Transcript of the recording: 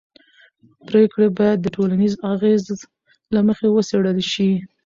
پرېکړې باید د ټولنیز اغېز له مخې وڅېړل شي